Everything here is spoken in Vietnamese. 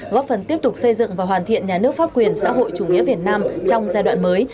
góp phần tiếp tục xây dựng và hoàn thiện nhà nước pháp quyền xã hội chủ nghĩa việt nam trong giai đoạn mới